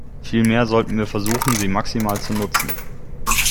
Vielmehr sollten wir versuchen, sie maximal zu nutzen.